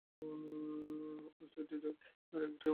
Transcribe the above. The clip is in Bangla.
আর ছয়টি ভেড়াকেই একটি মাঠে কত ভাবে সাজানো সম্ভব?